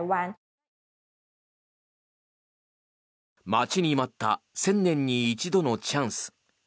待ちに待った１０００年に一度のチャンス。